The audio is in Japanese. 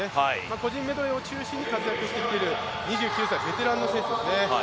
個人メドレーを中心に活躍してきている２９歳、ベテランの選手です。